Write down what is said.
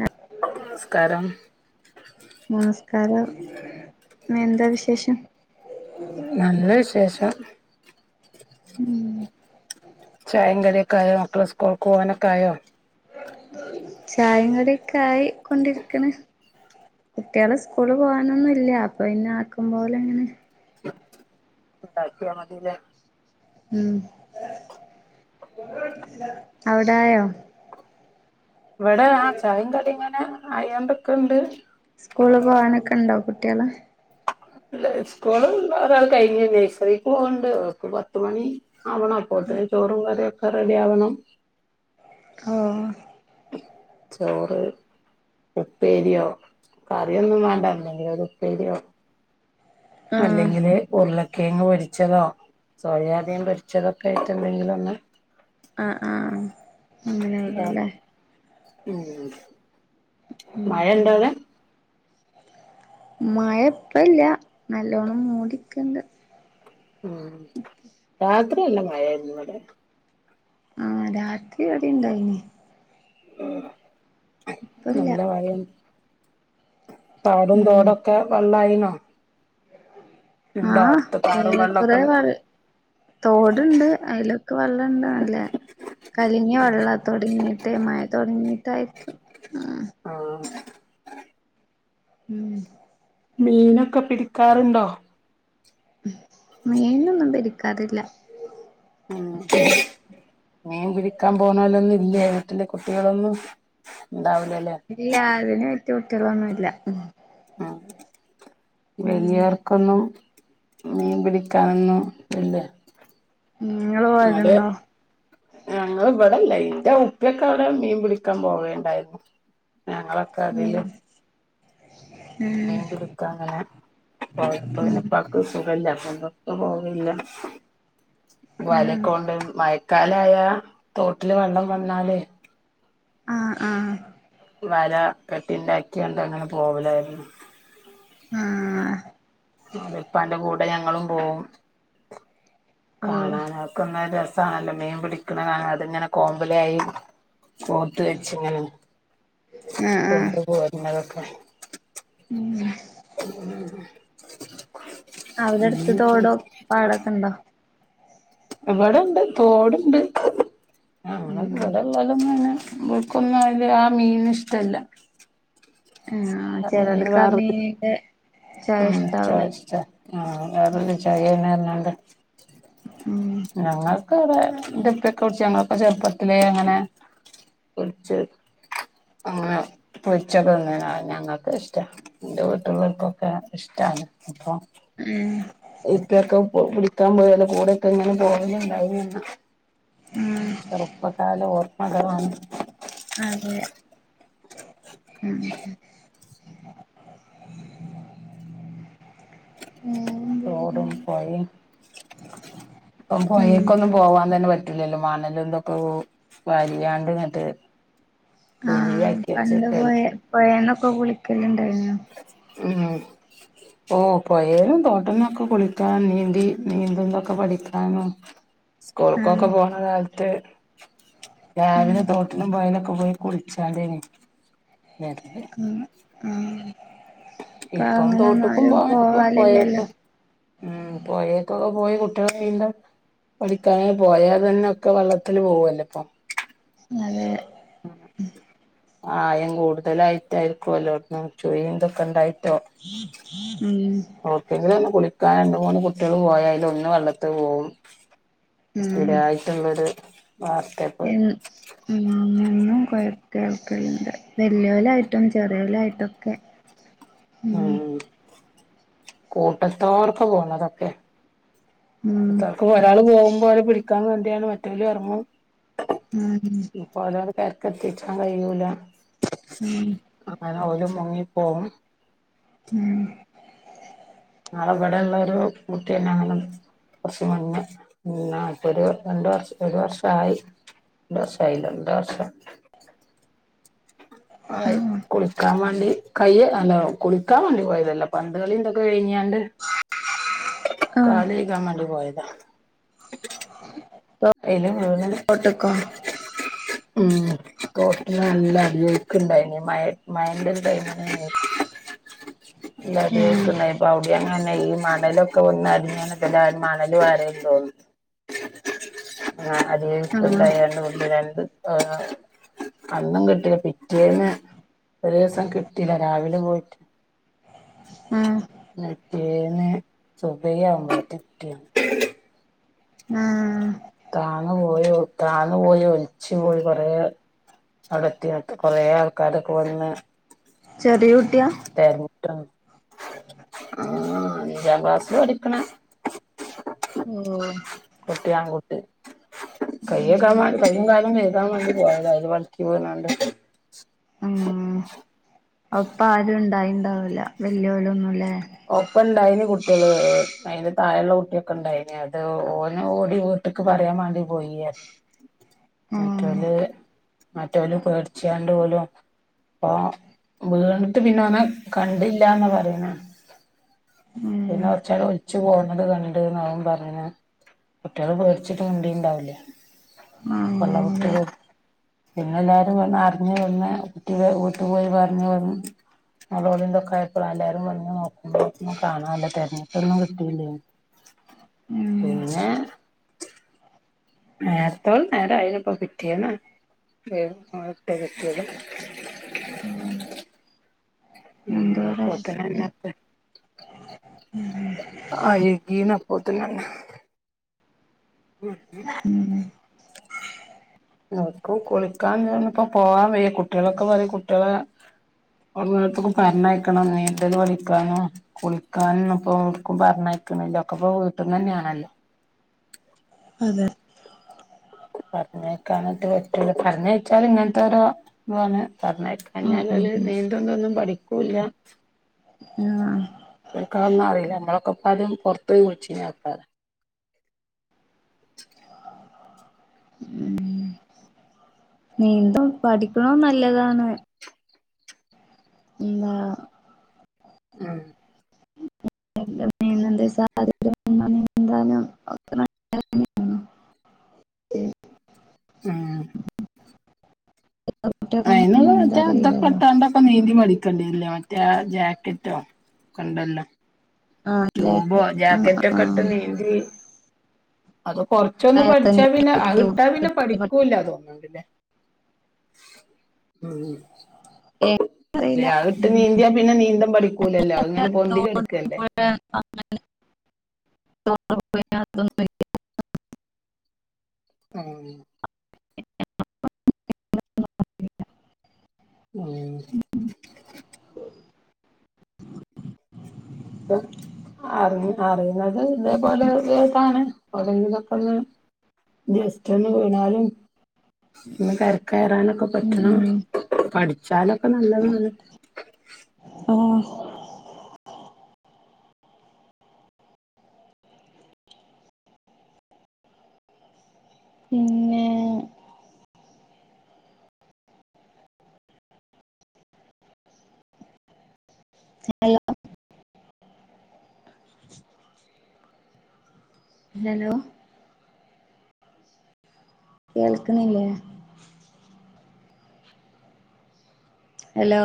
നമ് നമസ്കാരം നമസ്കാരം എന്താ വിശേഷം? നല്ല വിശേഷം ഉം ചായേം കടിയൊക്കെ ആയോ മക്കള് സ്കൂള്ക്ക്പോവാനായോ? ചായേം കടിയൊകെ ആയി കൊണ്ടിരിക്ക്ണ് കുട്ടികള് സ്കൂള് പോകാനൊന്നും ഇല്ല അപ്പൊ ഇന്ന് ആക്കുംപോലെ അങ്ങനെ ഉണ്ടാക്കിയ മതിയല്ലോ മ് അവിടായോ? ഇവിടെ ആ ചായിം കടി ഇങ്ങനെ അയോണ്ട്ക്ക്ണ്ട് സ്കൂള് പോകാനൊക്കെ ഇണ്ടോ കുട്ടികള് ല്ല സ്കൂള ഒരാൾ കഴിഞ്ഞ് നേഴ്സറിക്ക് പോവണ്ട് പത്ത് മണി ആവണം അപ്പൊത്തിന് ചോറും കറിയൊക്കെ റെഡി ആവണം ആഹ് ചോറ് ഉപ്പേര്യോ കറിയൊന്നും വേണ്ട എന്തെങ്കിലൊരു ഉപ്പേര്യോ ആഹ് അല്ലെങ്കില് ഉരുളക്കിഴങ്ങ് പൊരിച്ചതോ സോയാബീൻ പൊരിച്ചതൊക്കായിട്ട്ണ്ടെങ്കിലൊന്ന് ആഹ് ആഹ് വേണം അങ്ങനെവ്ടെലെ ഉം ഉം മഴ ഉണ്ടോ അവിടെ മയ പ്പല്ല നല്ലോണ്ണം മൂടിക്ക്ണ്ട് ഉം രാത്രിയല്ല മഴായിരുന്നു വടെ ആഹ് രാത്രി വടിണ്ടായിനി. ഇപ്പല്ല നല്ല മഴിം പാടും ഉം തോട കെ വള്ളായീണോ? ആഹ് പാടും ഏറെക്കുറെ വെള്ളമൊക്കെ വൾ തോട്ണ്ട് അയ്ലൊക്കെ വള്ളണ്ട് നല്ലേ കലങ്ങ്യ വള്ള തൊടങ്ങിട്ടേ മയ തൊടങ്ങീട്ടായിരിക്കും ആഹ് ആഹ് ഉം മീനൊക്കെ പിടിക്കാറുണ്ടോ? മീനൊന്നും പിടിക്കാറില്ല. ഉം മീൻ പിടിക്കാൻ പോണോലൊന്നുല്ലേ വീട്ടിലെ കുട്ട്യെളൊന്നും ഉണ്ടാവിലല്ലേ? ഇല്ല അതിന് പറ്റ്യേ കുട്ട്യോളൊന്നുല്ല. ആഹ് ഉം വെല്ല്യാർക്കും ക്കൊന്നും മീൻ പിടിക്കാനൊന്നും ഇല്ലേ? ഉ ഇങ്ങളു പോവല്ണ്ടോ? ഞങ്ങളെ ഇബടെല്ല ഇന്റെ ഉപ്പ്യൊക്കെ അവടെ മീൻ പിടിക്കാൻ പോവേണ്ടായിര്ന്നു. ഞങ്ങളൊ ഉം പോവലുണ്ടോ ബാംഗ് ലു പ്പങ്ങനെ ഉം പോയപ്പോ ഉം പിന്നുപ്പാക്ക് സുഖല്ലതോണ്ട് ഇപ്പ പോവേല്ല. വലെക്കൊണ്ട് മയക്കാലായ തോട്ടില് വെള്ളം വന്നാലേ ആഹ് ആഹ് വല കെട്ടിണ്ടാക്ക്യാണ്ട് അങ്ങനെ പോവലായിര്ന്നു. ആഹ് ന്നട്ട് ഇപ്പാന്റെ കൂടെ ഞങ്ങളും പോവും. ആഹ് കാണാന് അതൊക്കന്ന് രസാണല്ലോ മീൻ പിടിക്ക്ണ കാണ അതിങ്ങനെ കോമ്പലായി കോത്ത് വെച്ച്ങ്ങനെ ഓഹ് കൊണ്ടുപോരുന്നതൊക്കെ [unintelligible] അവടട്ത്ത് തോടോ പാടൊക്കെ ണ്ടോ? ഇവടെണ്ട് തോട്ണ്ട് ആ [unintelligible] ഉം ഇബടെള്ളതെന്നെണ് ഇവൽക്കൊന്നും അയ്ൻ്റെ ആ മീനിഷ്ടല്ല. ആഹ് ചെലോൽക്കാമീനിന്റെ ആഹ് [unintelligible] ടാ ആ വേറെന്തൊ ചൊയേണർഞ്ഞാണ്ട് ഉം ഞങ്ങൾ ക്ക് വടെ ന്റെപ്പൊക്കെ പിടിച്ച് ഞങ്ങളൊക്കെ ചെറ്പ്പത്തില അങ്ങനെ പൊരിച്ച് ആഹ് പൊരിച്ച തിന്നണത് ഞങ്ങക്കിഷ്ട ഇന്റെ വീടില്ലോൽക്കും ക്കെ ഇഷ്ട്ടാണ് അപ്പൊ ഏഹ് ഇപ്പെക്കെ ഇപ്പൊ പുടിക്കാൻ പോയാേലെ കൂടെക്കെ ഇങ്ങനെ പോവല് ഇണ്ടായിനു എന്ന ഉം ചെറുപ്പക്കാലം ഓർമ്മകളാണ് ആഹ് അതെ ഉം ഏഹ് തോടും പൊയിം ഇപ്പം ഉം പൊയേക്കൊന്നും പോവാൻ തെന്നെ പറ്റൂ ലല്ലോ മണലും ഇതാെക്ക കൂ വാലിയാണ്ട് ഇന്ന്ട്ട് ആഹ് പണ്ട് പൊയെ പൊയേന്നൊക്ക കുളിക്കല് ഇണ്ടായിരുന്നു ഉം ഓഹ് പൊയേന്നും തോട്ട്ന്നൊക്ക കുളിക്കാൻ നീന്തി നീന്തുന്നൊക്കെ പഠിക്കാനും സ്കൂൾകൊക്കെ ആഹ് പോണ കാൽത്ത് ഉം രാവിലെ തോട്ട്ലും പൊയേലൊക്കെ പോയി കുളിച്ചാണ്ടേന് വെര്ല് ഉം ആഹ് ഇപ്പം തോട്ട്ക്കും പോവൽ ഇപ്പൊ പോവാലില്ലല്ലോ പൊയേക്കും ഉം പൊയേകൊക്കെ പോയി കുട്ടിയേളെ നീന്തൽ പഠിക്കാന് പോയാ തെന്നെ ഒക്ക വള്ളത്തില് പോവല്ലൊ ഇപ്പൊ അതെ ഉം ആയം കൂട്തലായി റ്റായിരിക്കുവലോ നം ചുയിംതൊക്ക ഇണ്ടായിട്ടോ ഉം എവ്ടക്കേങ്ങിലും ഒന്ന് കുളിക്കാൻ രണ്ട് മൂന്ന് കുട്ടിയേളും പോയാ ഐലാെന്ന് വെള്ളത്ത്ക്ക് പോവും ഉം സ്ഥിരായ്റ്റ്ള്ളൊര് വാർത്തെപ്പത് എന്ന് ഉം ഉം കൊയർ കേൾക്കല്ണ്ട് വെല്യോലായിട്ടും ചെറിയോലായിട്ടും ഒക്കെ അയെന്നെ കൂട്ടത്തോട്ക്ക പോണതൊക്കെ ഉം ഇത്തലക്ക ഒരാള് പോകുമ്പൊ അവരെ പിടിക്കാന് വേണ്ടിയാണ് മറ്റോലും എറങ്ങും നാരങ്ങ ഇപ്പവലോല കരക്കെത്തിച്ചാൻ കഴിയൂല ഉം അങ്ങനെ ഓല് മുങ്ങിപ്പോവും ഉം ഇന്നാള് ഇബടെ ഇള്ളാരു കുട്ടിയെന്നങ്ങണ്ട് കൊറച്ച് മുന്നെ പിന്നാ ഇപ്പൊരു രണ്ട് വർഷ് ഒരു വർഷായി രണ്ട് വർഷായി രണ്ട് വർഷം ആയിക്കൊട് ക്കാം വാണ്ടി കയ്യ് അല്ല കുളിക്കാ വാണ്ടി പോയതല്ലട്ട പന്ത്‌ കളിന്റക്ക ഒര് കെയ്ഞ്ഞ്ങ്ങാണ്ട് ആഹ് കാല് കെയ്കാം മാണ്ടിപോയതാ ഐല് വീണതാ തോട്ട്ക്കോ ഉം തോട്ടില് നല്ല അടിയൊയ്ക്ക്‌ ഇണ്ടായിന് മയെ മഴന്റെ ഒര് ടൈമിനേയി ഇല്ല അടിയൊയ്ക്ക്‌ ആഹ് ഇണ്ടായ പൗതിലെങ്ങാനും ഈ മണലൊക്കെ വന്നടിഞ്ഞാണ് ഇബലാരും മണല് വാരല് തോന്ന് ആഹ് അത് ആഹ് ഇപ്പണ്ടായി രണ്ട് മുണ്ട് രണ്ട് [unintelligible] അന്നും കിട്ടീല പിറ്റേന്ന് ഒരു ദിവസം കിട്ടീല രാവിലെ പോയിറ്റ് ആഹ് [unintelligible] റ്റേന്ന് സുബ്ഹിയാവുമ്പോ കിട്ട്യോ ആഹ്. താന്ന് പോയോ, താന്ന് പോയി ഒൽച്ച് പോയി കൊറേ അവ്ടെത്ത്യാട്ട്. കൊറേ ആൾക്കാരൊക്കെ വന്ന് ചെറിയ കുട്ടിയാ തെര്ഞ്ഞിട്ടാണ് ആഹ് അഞ്ചാംക്ലാസ്സിലാ പഠിക്ക്ണെ. ഓഹ്. കുട്ടിയാങ്കുട്ടി. കയ്യെകാൻ ഉം മാണ്ടി, കയ്യും കാലും കഴ്കാൻ വാണ്ടി പോയതാ അയ്ല് വൾക്കി വീണാണ്ട് ഒപ്പാരുണ്ടായീണ്ടാവൂല, വല്ല്യോരൊന്നുലേ? ഒപ്പണ്ടായിന് കുട്ട്യള്, അയ്ന്റെ താഴെള്ള കുട്ട്യൊക്കെ ഇണ്ടായ്നി. അത് ഓന് ഓടി വ് ട്ട്ക്ക് പറയാൻ മാണ്ടി പോയീ പർഞ്ഞ്. ഉം മറ്റോല് മറ്റോല് പേട്ച്ചാണ്ട് ഓലും പ്പോ വീണ് ട്ട് പിന്നോനെ കണ്ടില്ലാന്നാ പറയണെ. ഉം പിന്നെ കൊർച്ചേരം ഒൽച്ച് പോണത് കണ്ട് ന്നാ ഓം പറയണേ. കുട്ട്യാള് പേടാച്ച്ട്ട് മുണ്ടീണ്ടാവൂല. ഇപ്പള്ള ഉം അതെ കുട്ട്യള് പിന്നെ എല്ലാരും വ അർഞ്ഞ് വന്ന്, കുട്ടീടെ വീട്ട് പോയി പർഞ്ഞ് വന്ന് നെളോളിം ഇതൊക്കായപ്പളാ എല്ലാരും വന്ന് നോക് [unintelligible] കാണാല്ല, തെര്ഞ്ഞാട്ടൊന്നും കിട്ടീല്ലേനി. ഉം പിന്നെ നേര്ത്തോട് നേരായീലെപ്പൊ പിറ്റേന്ന് [unintelligible] കിട്ട്യേത്. ഉം ഉം എന്തോര അപ്പോത്തിനെന്നെ അഴ്കീണ് അപ്പോത്തിനെന്നെ [unintelligible] ഇൻക്കും കുളിക്കാനുതിനൊന്നുപ്പം പോവാൻ വയ്യ, കുട്ട്യളൊക്കെ പറയും കുട്ട്യളേ ഔട്ന്നേട്ത്ത്ക്കും പർഞ്ഞേക്കണം, നീന്തല് പഠിക്കാനും കുളിക്കാനൊന്നുപ്പൊ ഓട്ക്കും പർഞ്ഞേക്ക്ണ്ല്ല ഒക്കെപ്പോ വീട്ട്ന്നെന്നേണല്ലൊ. അതെ. പർഞ്ഞേക്കാനെറ്റെ പറ്റൂല്ല, പർഞ്ഞേച്ചാല് ഇങ്ങൻത്തോരോ ഇതാണ് പർഞ്ഞേക്ക ഉം ഞ്ഞാല് ഉം ഓല് ഉം നീന്തും തൊന്നും പഠിക്കൂല്ല. ആഹ്. ഓൽക്കതൊന്നു അറീല. നമ്മളൊക്കെപ്പാദ്യം പൊർത്തോയി കുൾച്ചീനൊക്കെ ഉം നീന്തം പഠിക്ക്ണോം നല്ലതാണ്. എന്താ ആഹ് [unintelligible] നീന്താനും ഇപ്പത്തെ ആഹ് കുട്ടികൾക്കൊന്നും അയ്ന്ള്ളെ നീന്താൻ മറ്റേ അറിയില്ലല്ലോ തൊക്കെട്ടാണ്ടൊക്കെ നീന്തി പഠിക്കെണ്ട്യെരുലേ മറ്റേ ജാക്കറ്റോ ണ്ടല്ലൊ. ആഹ് ട്യൂബോ ജാക്കറ്റ് ആഹ് ജാക്കറ്റൊക്കെ ട്ട് ആഹ് നീന്തീ, അത് കൊർച്ചൊന്ന് പഠ്ച്ചാ പിന്നെ അഹ് ട്ടാ പിന്നെ പഠിക്കൂല്ല തോന്ന്ണ്ട്ലേ. ഉം ഉം അറിയില്ല ലേ അത്ട്ട് ഉം നീന്ത്യാ പിന്നെ നീന്തം പഠിക്കൂലല്ലൊ, അത്ങ്ങനെ പൊന്തി തോട് കെട്ക്കല്ലേ. [unintelligible] ഉം ഉം ഉം. അ അറിയുന്നത് ഇതേപോലേ [unintelligible] ക്കെന്ന്. ജസ്റ്റന്ന് വീണാലും. ഇന്ന് കര കയറാനൊക്കെ ഉം പറ്റണം. ഉം പഠിച്ചാലൊക്കെ നല്ലതാണ്. ആഹ്. പിന്നെ [unintelligible] ഹലോ കേൾക്കണില്ലേ? ഹലോ.